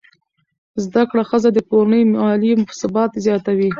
زده کړه ښځه د کورنۍ مالي ثبات زیاتوي.